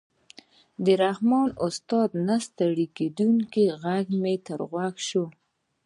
د رحماني استاد نه ستړی کېدونکی غږ مې تر غوږ شو.